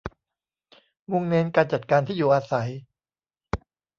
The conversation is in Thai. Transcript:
มุ่งเน้นการจัดการที่อยู่อาศัย